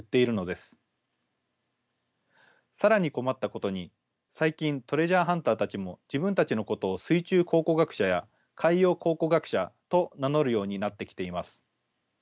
更に困ったことに最近トレジャーハンターたちも自分たちのことを水中考古学者や海洋考古学者と名乗るようになってきています。